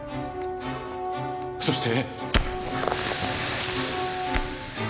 そして。